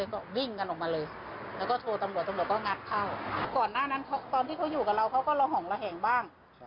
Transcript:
ก่อนหน้านั้นตอนที่เขาอยู่กับเราเขาก็ลองห่องระแห่งบ้าง